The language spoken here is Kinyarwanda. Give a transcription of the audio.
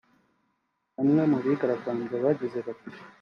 Bamwe mubigaragambya bagize bati